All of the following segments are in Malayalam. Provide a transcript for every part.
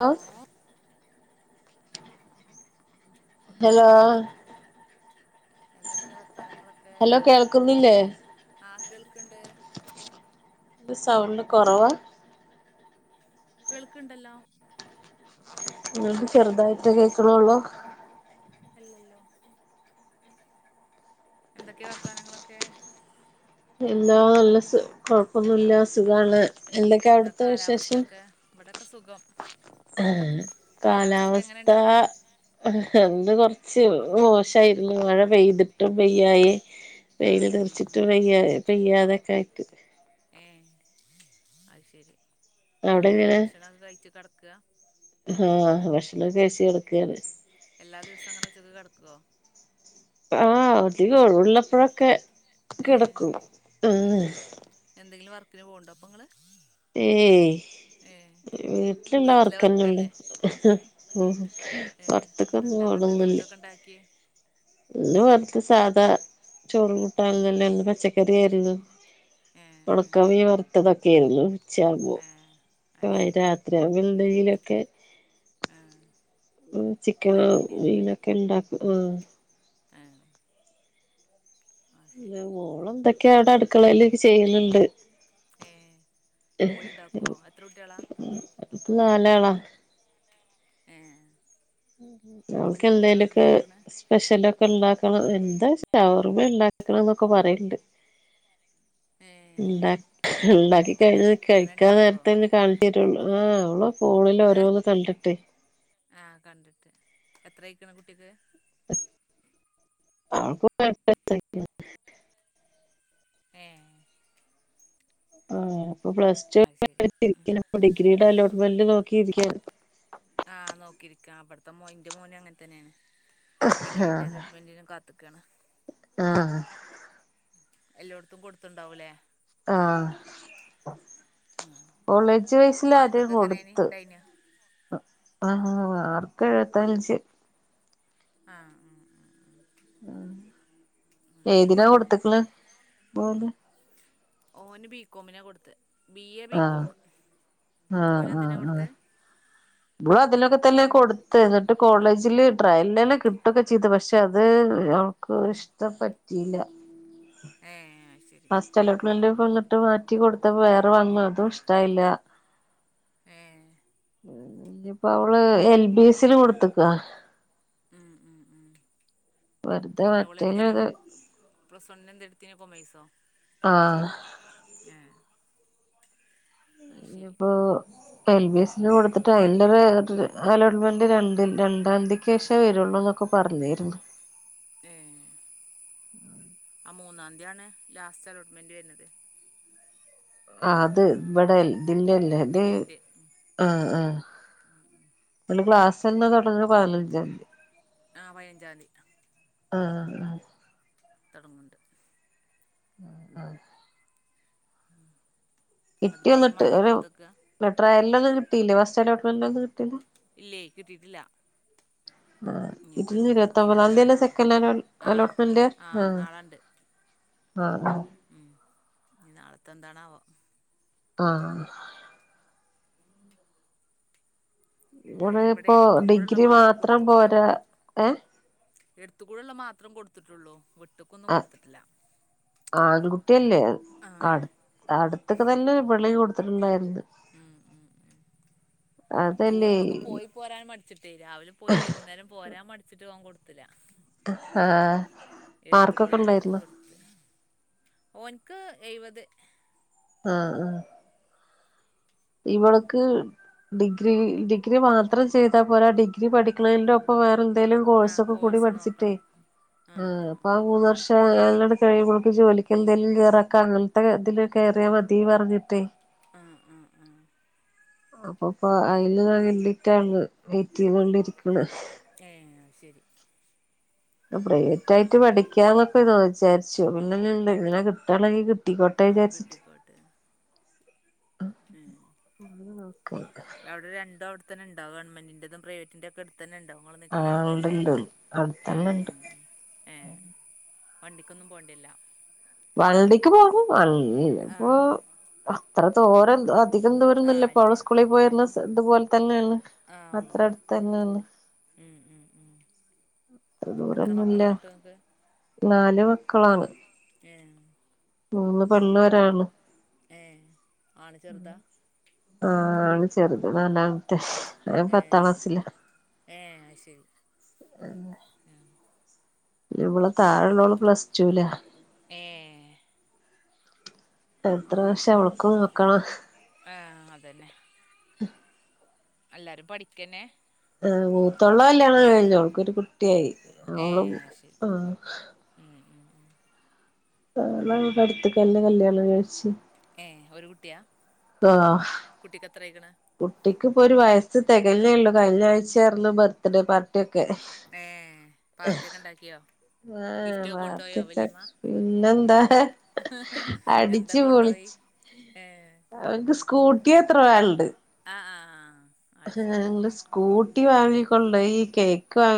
ഹലോ ഹലോ എന്തൊക്കെയ വർത്തനങ്ങളൊക്കെ ഹലോ [unintelligible] കേൾക്കുന്നില്ലേ ആ കേൾക്കണ്ട് ഇത് സൗണ്ട് കുറവാ കേൾക്കണ്ടല്ലോ- നിങ്ങക്ക് ചെറുതായിട്ട് കേക്കണള്ളോ- അല്ലല്ലോ എന്തൊക്കെയ വർത്തനങ്ങളൊക്കെ എന്താ നല്ല സു കൊഴപ്പൊന്നുല്ല സുഖമാണ് എന്തൊക്കെയ എന്താ അവിടുത്തെ വിശേഷം- കാലാവസ്ഥൊക്കെ ഇവിടൊക്കെ സുഖം ഹാ കാലാവസ്ഥൊക്കെ കാലാവസ്ഥ- എങ്ങനെണ്ടെന്ന് ഹ്ഹ് ഇന്ന് കൊർച് മോശായിരുന്നു മഴ പെയ്തിട്ടും പെയ്യായി വെയിൽ ആഹ് ആഹ് ആഹ് തെർച്ചിട്ടും പെയ്യായി പെയതൊക്കൊയിട്ട് ഏ- അത് ശരി- എന്താ അങ്ങോട്ട് ഭക്ഷണക്കെ കഴിച്ചു കിടക്കാ ആഹ ഭക്ഷണക്കെ കഴിച്ചു കിടക്കാണ് എല്ലാ ദിവസം അങ്ങനെ ഉച്ചക്ക് കിടക്കുവോ- ആഹ് അധിക അപ്പോഴൊക്കെ ഏഹ് കിടക്കും ഹ്മ്മ് [unintelligible] പോകണ്ട അപ്പൊ നിങ്ങള് ഏ വീട്ടിലെ വീട്ടിലുള്ളവർക്കന്നെള്ള- വർക്കന്നെ ഹ്ഹ പുറത്തക്ക ഒന്ന പോണ ഫുഡ് ഒക്കെ ഉണ്ടാക്കി ഇന്ന് വെറ്തെ സാധാ ചോറ് കൂട്ടാനെന്നെ പച്ചക്കറി ആയിരുന്നു ഏഹ് ഏഹ് ഉടക്കമീൻ വറുത്തതൊക്കെ ആയിരുന്നു ഉച്ചാ ഉമ്പോ ഏഹ് അത് ശരി രാത്രി ആവുമ്പൊ എന്തെങ്കിലൊക്കെ ആഹ് ചിക്കന ഉണ്ടാക്കേണ്ടി വരും മീനൊക്കെ ഉണ്ടാക്കും ആഹ ഏഹ് അത് ശരി മോള എന്തൊക്കെയാ അവിടെ അടുക്കളയില് ചെയ്യുന്നുണ്ട് ഏഹ് മോള് ഉണ്ടാക്കുവോ എത്ര കുട്ടികളാ ഇപ്പ നാലാള ആഹ ഞൾക്ക് എന്തെലൊക്കെ സ്പെഷ്യലൊക്കെ ഉണ്ടാക്കണം എന്താ ശവർമ്മ ഉണ്ടാക്ക നടക്കണന്നൊക്കെ പറയിണ്ട് ഉം ഉണ്ട ഉണ്ടാക്കി കഴിഞ്ഞ അങ്ങനെ കഴിക്കാ ഉണ്ടാക്കുവോ നേരത്തെന്ന് കാണിച്ച തരുള്ളു ആഹ് അവള പോള ല്ല ഓരോന്ന് കണ്ടിട്ട് ആഹ കണ്ടിട്ട് എത്രയിക്കണ കുട്ടിക്ക് അവർക്ക [inaudible] ഏഹ് ആ അപ്പൊ പ്ലസ് ടു അത് ശരി ഡിഗ്രിയുടെ അലോട്ട്മെന്റ് നോക്കിയിരിക്ക ആഹ് നോക്കിയിരിക്കാം അവിടത്തെ മോന്റെ മോന് അങ്ങനെ തന്നെയാണ് ഡിഗ്രീന്റെ അലോട്ട്മെന്റി കാത്ത്ക്കാണ് ആഹ എല്ലായിടത്തും കൊടുത്തുണ്ടാവൂലേ ആഹ ആ കോളേജ് വൈസൽ ആര മാർക്കൊക്കെ എങ്ങനേനി കൊടുത്ത് ഇണ്ടായിനോ ആ ആർക്ക എഴുപത്തഞ്ച് ആഹ് ആഹ ഉഹ ഉ ആ ഏതിനാ കൊടുത്തക്കള് പോല് ഓന് ബികോമിനെ കൊടുത്ത് ബി എ ആ ബികോം ഓല എന്തിനാ അവിടുത്തെ നമ്മൾ അതിനൊക്കെ തന്നെ കൊടുത്ത് എന്നിട്ട് കോളേജില് ട്രയലല്ലെ കിട്ടുകൊക്കെ ചെയ്ത് പക്ഷെ അത് ഒൾക്ക് ഇഷ്ട പറ്റിയില്ല ഏ ശരി ഫസ്റ്റലോട്ടവന്നിട്ട് മാറ്റി കൊടുത്തപ്പോ വേറെ വന്നു അതും ഇഷ്ടായില്ല ഏ ഇയിപ്പോ അവള് എൽ ബി എസിൽ കൊടുത്ത്ക്കുവ ഉം ഉം ഉം വെറുതെ മറ്റേല്ല അത് സൊണന്ത എടുത്തതിന്പ്പോ പൈസോ ആഹ അത് ശരി ഇനിപ്പോ എൽ ബി എസ്ന് കൊടുത്തിട്ട് അതിന്റെ റെ അലോട്ട്മെന്റ് രണ്ട് രണ്ടാം തീയതിക്ക് ശേഷേ വരുള്ളൂ എന്നൊക്കെ പ്പ പറഞ്ഞിരുന്നു ഏ ആ മൂന്നാം തീയാണ് ലാസ്റ്റ് അലോട്ട്മെന്റെ വരുന്നത് ആ അത് ഇവിടെ ഉം ഉം ഇതില്ലല്ലേ ഇത് ഡിഗ്രീൻ്റെ ഉം ആ ഉം ഉം ആ സെമ്മ് തെടങ്ങ്ന്നത് പതിനഞ്ചാം തീ ആഹ് പയ്ഞ്ചാംതീ ആഹ ആഹ തൊടങ്ങുണ്ട് അ ആഹ എന്നിട്ട് കിട്ടിയ ഞാൻ ഒന്നും അതിന് ഇട്ട് മാറ്റി ഒരു കൊടുത്തക്ക ലെട്ര എല്ലാം ഒന്നും കിട്ടിയില്ല ഫസറ്റ് അലോട്ട്മെന്റെ ഒന്നും കിട്ടില്ല ഇല്ലേ കിട്ടിട്ടില്ല ആ ഇതിന്ന് ഇരുപത്തൊമ്പതാം തീയതില്ല എന്താണാവോ സെക്കൻ അലോട്ട് ആ അലോട്ട്മെന്റ് ആ [unintelligible] ആ അ ഉം ഇനി നാളത്തെ എന്താണവോ ങ ഇവടെ ഓനയിന് ഇവിടെ ഇപ്പോ എടുത്തു കൂടെയുള്ള ഡിഗ്രി മാത്രമേ മാത്രം കൊടുത്തിട്ടുള്ളൂ പോരാ ഏ ഇത്കുടെല്ലേ മാത്രം കൊടുത്തിട്ടുള്ളൂ വിട്ട്ക്കൊന്നും ആഹ് കൊടുത്തിട്ടില്ല ആൺകുട്ടിയല്ലേ ആ അടു അടുത്തൊക്കെ തന്നെ വെളി കൊടുത്തിട്ടുണ്ടായിരുന്നു ഉം ഉ ഉ അതല്ലേ ദൂരത്ത്ക്ക് പോയി പോരാൻ മടി ശരി രാവിലെ പോയി വൈകുന്നേരം പോരാൻ പഠിച്ചിട്ട് പോകാൻ കൊടുത്തില്ല ആ എടുത്ത് പാർക്കൊക്കെ കൂടെ ഉള്ളടത്ത് ഉണ്ടായിരുന്നു കൊടുത്ത് ഓൻക്ക് എഴുപത് ആ ആ ഇവൾക്ക് ഡിഗ്രി ഡിഗ്രി മാത്രം ചെയ്താ പോരാ ഡിഗ്രി പഠിക്കണതിന്റെ ഒപ്പം വേറെ എന്തേലും കോഴ്സ് ആഹ് ഒക്കെ കൂടി പഠിച്ചിട്ടേ നോക്കണം ആ ആഹ് ആഹ് അപ്പംമൂന്ന് വർഷംത്തെ [unintelligible] കഴിയും പോക്ക് ജോലിക്ക് എന്തേലും കേറാക്കെ അങ്ങനത്തെ ഇതില് കയറിയാ മതിന്ന് പറഞ്ഞിട്ടേ ആഹ് ആഹ് ആഹ് ആഹ് അപ്പൊപ്പം അയ്ല് കണ്ടിട്ടാണ് വെയിറ്റെയ്തോണ്ടിരിക്കണ് ഏ ശരി പ്രൈവറ്റ് ആയിട്ട് പഠിക്കാന്നൊക്കെ വിചാരിച്ചു പിന്നെ ഇങ്ങനെ കിട്ടണെങ്കിൽി ട്ട ആഹ് കട്ടായിച്ചട്ട [inaudible] കിട്ടിക്കോട്ടെ ഉം അവിടെ രണ്ടും അവിടുത്തന്ന ഉണ്ടാവും ഗവൺമെന്റതും പ്രൈവറ്റിന്റെറ ഒക്കെ എടു ത്തന്ന ഉണ്ടോ നിങ്ങൾ നിൽക്കണ ആളുണ്ട് ആ അടുത്തന്നെ ഉണ്ട് ആ ആ വണ്ടിക്കൊന്നും പോണ്ടിയെര്ല്ല വണ്ടിക്ക് പോകും ഇപ്പൊ ആഹ് അത്ര തോരം അധികം ആഹ് ദൂരന്നല്ല ഇല്ല ഇപ്പോള് സ്കൂളിൽ പോയിരുന്ന ഇത്പോലെ തന്നെയാണ് ആഹ് അത്ര ഉള്ളു അടുത്തുതന്നെയാണ് ഉം ഉം ഉം അത്ര എത്ര ദൂരന്നില്ല മക്കളാ എന്നിട്ട് നിങ്ങക്ക് നാല് മക്കളാണ് ഏഹ് മൂന്ന് പെണ്ണ് ഒരാണ് ഏ ആണ്ചെറുതാ ആ ആണ്ചെറുതാ [unintelligible] നാന അത്തെേ പത്താം ഏഹ് ക്ലാസിലാ ഏഹ് അത് ശരി ഏഹ് ഇവള് താഴെള്ളവള് പ്ലസ് ടൂലാ ഏ എത്ര വർഷം അവൾക്കും നോക്കണം ആ അതന്നെ അ എല്ലാരും പഠിക്കന്നെ മൂത്തോളെ കല്യാണം കഴിഞ്ഞു അവൾക്കൊരു കുട്ടിയായി ഏ അവള് ശരി ആ ഉം ഉം ഉം ആ ന്നെങ്ങട്ട് അടുത്ത്ക്കെന്നെ കല്യാണം കഴിച്ചെ ഏയ് ഒരു കുട്ടിയാണ് ആ കുട്ടിക്ക് ഇപ്പൊ ഒരു വയസ്സ് തികഞ്ഞേള്ളൂ കഴിഞ്ഞ ആഴ്ച്ചയായിര്ന്നു ബർത്ത്ഡേ പാർട്ടി ഒക്കെ ഏ പാർട്ടി ഒക്കെ [unintelligible] ഉണ്ടാക്കിയോ ആഹ് ഗിഫ്റ്റ് ഒക്കെ കൊണ്ടുപോയോ വാർട്ടക്കെ വല്യമ്മ പിന്നെന്താ എന്താ അടിച്ചു കൊണ്ടുപോയി പൊളിച്ചു ഏ അവനിക്ക് സ്കൂട്ടി എത്ര വോലുണ്ട് ആ ആ ആ അത് ആ ശരി നിങ്ങള് സ്കൂട്ടി വാങ്ങിക്കൊണ്ട് ഈ കേക്ക് വാ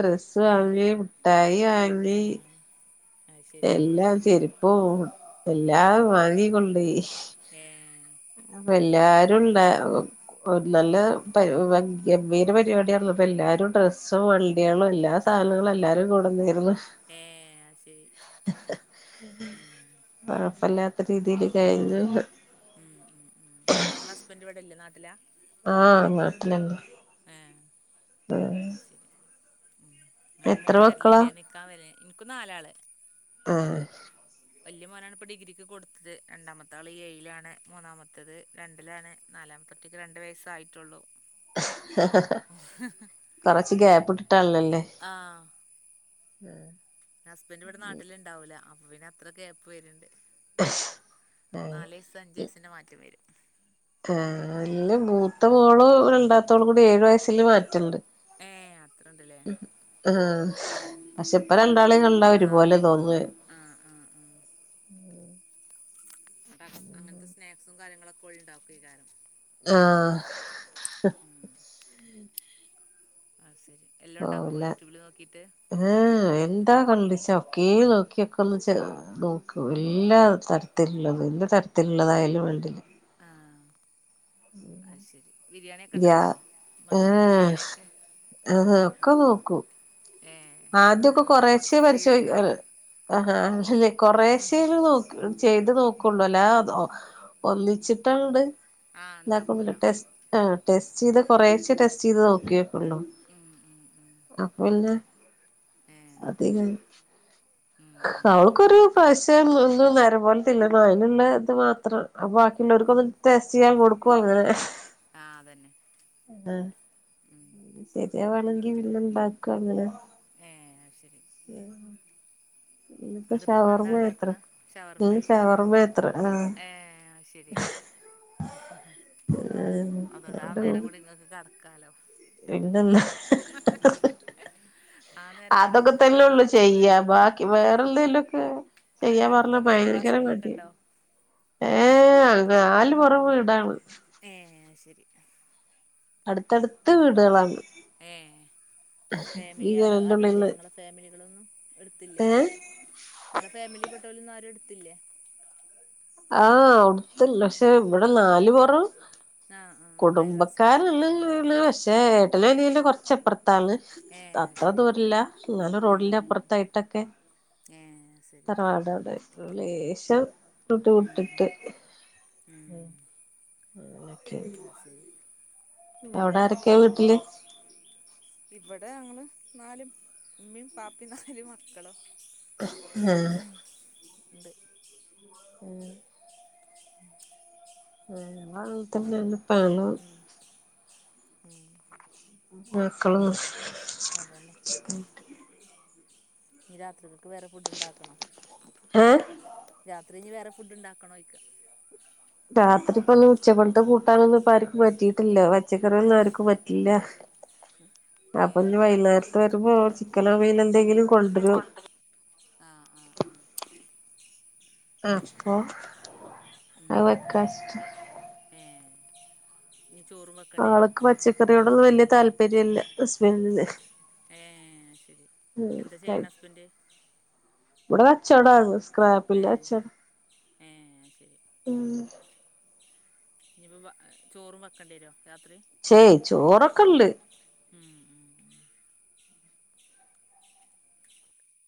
ഡ്രസ്സ് ഏ വാങ്ങി മിഠായി വാങ്ങി ഉം അത് ശരി എല്ലാം ചെരുപ്പും ഉം എല്ലാം ഉം വാങ്ങിക്കൊണ്ടോയി ഏ അപ്പം അത് ശരി എല്ലാരുംണ്ടാവും നല്ലപരിപാ ഗംഭീര പരുപാടി അപ്പം എല്ലാരും ഡ്രസ്സും വ കേരളം എല്ലാ ആ ആ സാധനങ്ങളും എല്ലാരും കൂടെന്നീരുന്ന്. ഏ ഉം. രീതീല് കഴിഞ്ഞ ഉം നിങ്ങളെ ഹസ്ബൻറ് ഇവിടെല്ലേ നാട്ടിലാ? ആഹ് നാട്ടിലന്ന. ഏ ആ. അങ്ങട്ട് മോള് വരലില്ലേ നിക്കാൻ വരുന്നില്ലെ എക്ക് നാലാള് ആ. വലിയ മോനാണ് ഇപ്പൊ ഡിഗ്രിക്ക് കൊടുത്തത് രണ്ടാമത്തെ ആള് ഏഴിലാണ് മൂന്നാമത്തേത് രണ്ടിലാണ് നാല് ക്ക് രണ്ടു വയസ്സായിട്ടുള്ളു. കൊറച്ച് ഗ്യാപ്പ് ഇട്ടിട്ടുള്ളല്ലേ? ഉം. ഹസ്ബന്ഡന്റെ ഇവിടെ നാട്ടില് ഇണ്ടാവൂല അപ്പൊ പിന്നെ അത്ര ഗ്യാപ്പ് വെരും ആഹ് നാല് വയസ്സ് അഞ്ചു വയസിന്റെ മാറ്റം വരും. ആ നല്ല മൂത്ത മോളും രണ്ടാത്തോൾ കൂടി ഏഴു വയസ്സില് മാറ്റണ്ട്. ഏ അത്രണ്ടല്ലേ? ആ പക്ഷെ ഇപ്പ രണ്ടാളെ കണ്ടാ ആഹ് ഒരുപോലെ തോന്നുവെ ആഹ് ആഹ് അ അങ്ങനത്തെ സ്നാക്സും കാര്യങ്ങളൊക്കെ [unintelligible] ആ. ആ ശരി. എല്ലാം ഉണ്ടാക്കുവോ ഓല്ല യൂട്യൂബില് നോക്കിയിട്ട് ആ എന്താ കണ്ടിച്ചോ? ക്കെ നോക്കിയൊക്കെ ഒന്ന് നോക്കും എല്ലാ തരത്തിലുള്ളത് എല്ലാ തരത്തിലുള്ളതായാലും വേണ്ടില്ല. ആഹ് അത് ശരി ബിരിയാണി ഒക്കെ ഗ്യാ ഉണ്ടാക്കുവോ മന്തി ബിരിയാണിയൊക്കെ? ആ ഒക്കെ നോക്കൂ ഏഹ് അതുകൊണ്ട് ആദ്യൊക്കെ നിങ്ങൾക്ക് കുറച്ച് കൊറശെ ഫ്രീ പരിശോധിക്കു അൽ എടുക്കാലോ ആഹ അല്ലേ കൊറേശ്ശേൽ നോക്കു ചെയ് നോക്കള്ളൂ അല്ല അ ഒന്നിച്ചിട്ടങ്ങണ്ട് ആഹ് ഉണ്ടാക്കൂല [unintelligible] ടെസ്റ്റ് ചെയ്ത് കൊറേശെ ടെസ്റ്റ് ചെയ്ത് നോക്കിയേക്കള്ളോ ഉം ഉം ഉം അപ്പൊ പിന്നെ ഏഹ് അതിലും ഉം ഉം ഉം അവൾക്കൊരു പൈസ ഒന്നും നേരെ പോലത്തില്ല അലുള്ള ഇത് മാത്രം ബാക്കി ടെസ്റ്റ് ചെയ്യാൻ കൊടുക്കും അങ്ങനെ ആഹ് അതന്നെ ആ ഉം ശരി. [unintelligible] ഉണ്ടാക്കും അങ്ങനെ ഏഹ് ഇന്നിപ്പോ അവിടുപ്പ ഇന്ന് എന്താ ഷവർമ്മയാത്രെ ഇണ്ടാക്കണ് ശവർമേ ഇന്ന് ഷവർമ്മയാത്രെ ആഹ് ഏ അത് ശെരി. അതുകൊണ്ട് ആ നേരം കൂടി ഇങ്ങക്ക് കിടക്കാലോ. എൻ്റെ അള്ള ആ നേരം കൂടി അതൊക്കെ ഇങ്ങക്ക് തന്നേ ഉള്ളൂ കിടക്ക ചെയ്യ വീട്ട് ബാക്കി വേറെ ന്തലൊക്കെ ചെയ്യാൻ പറഞ്ഞ അടുത്തൊക്കെ ഭയങ്കര അയൽവാസികളൊക്കെ മടിയ. ഉണ്ടോ ഏ കാല് പുറമ ഇട ഏ ശരി. അടുത്തടുത്ത വീടുകളാണ്. ഈ ഫാമിലിയള് ജനലിന്റെ ആരുല്ല ഉള്ളില് ങ്ങളെ ഫാമിലികളൊന്നും അടുത്തില്ലേ ആരും? ഏഹ് നിങ്ങളെ ഫാമിലി പെട്ടലൊന്നും ആരും എടുത്തില്ലേ? ആ അവിടുത്തെ പക്ഷെ ഇവിടെ നാല് പുറം ആഹ് ആഹ് അയൽവാസികളായിരിക്കും കുടുംബക്കാരുള്ളള്ള പക്ഷേ ഏട്ടനും അനിയനും കുറച്ച് അപ്പു പുറത്താണ് ഏ അത് അത്ര ശരി ദൂരല്ല എന്നാലും ഉം റോഡിന്റെ ഉം അപ്പുറത്തായിട്ടൊക്കെ ഏ ശരി തറവാടെടെ. ലേശം ഉം [unintelligible] ഉം വിട്ടിട്ട്. ഉം അത് ശരി ഓ അവിടാരൊക്കെയ വീട്ടില്? ഇവിടെ ഞങ്ങള് നാലും ഉമ്മെം ബാപീം നാല് മക്കളും. ഉം ആ ഉണ്ട് ആ ആ തന്നെന്ന പണ ഉം ഉം മക്കളും അതന്നെ ഇ രാത്രിലേക്ക് വേറെ ഫുഡ് ഇണ്ടാക്കണോ ഏ അത്രയും ഇഞ്ഞ് വേറെ ഫുഡ് ഉണ്ടാക്കണോഴിക്കുക രാത്രി ഇപ്പൊ ഒന്ന് ഉച്ചപ്പളത്തെ കൂട്ടാനൊന്ന ഇപ്പ ആർക്കും പറ്റിയിട്ടില്ല പച്ചക്കറികൊന്നും ആഹ് ആർക്കും പറ്റില്ല ഏ അപ്പൊ വൈകുന്നേരത്ത് വരുമ്പോ കല വ ഇ ആ ഉ ഉ അപ്പൊ ഉം അത് വെക്കഷ്ട ഏ ഇനി ചോറും വെക്കേണ്ടി വരോ ആൾക്ക് പച്ചക്കറിയോടൊന്നും വല്യ താല്പര്യം ഇല്ല ഹസ്ബന് ഏ ശരി ഉ എന്താ ചെയ്യണ ഹസ്ബൻഡ് ഇവിടെ കച്ചവട ക ഏ പില്ലഛ ഏ ശരി ഉ ഇനിയിപ്പോ ചോറും വെക്കേണ്ടി വമോ ചേയ് ചോറൊക്കെ ഉള്ള ഉം ഉ ഉ